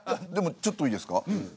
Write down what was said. でもちょっといいですか？